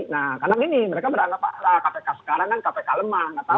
nah karena gini mereka beranggap kpk sekarang kan kpk lemah